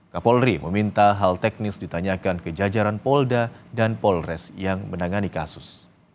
kapolri meminta hal teknis ditanyakan ke jajaran polda dan polres yang menangani kasus